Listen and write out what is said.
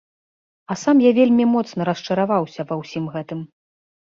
А сам я вельмі моцна расчараваўся ва ўсім гэтым.